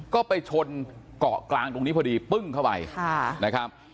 ก็ไปชนเกาะกลางตรงนี้พอดีปึ้งเข้าไปนะครับ